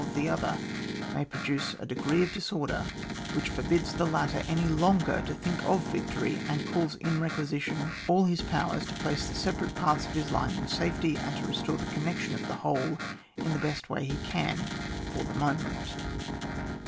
of the other, may produce a degree of disorder which forbids the lat ter any longer to think of victory, and calls in requisition all his powers to place the separate parts of his line in safety, and to restore the connection of the whole in the best way he can for the moment.